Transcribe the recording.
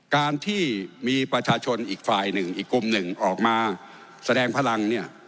การที่มีประชาชนอีกฝ่ายหนึ่งอีกกลุ่มหนึ่งออกมาแสดงพลังเนี่ย